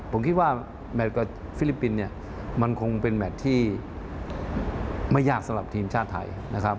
ผมคิดว่าแมทกับฟิลิปปินส์เนี่ยมันคงเป็นแมทที่ไม่ยากสำหรับทีมชาติไทยนะครับ